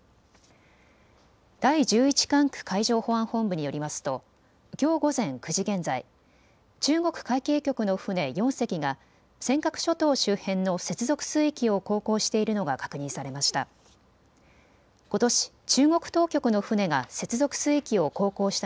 第１１管区海上保安本部によりますときょう午前９時現在、中国海警局の船４隻が尖閣諸島周辺の接続水域を航行しているのが確認されました。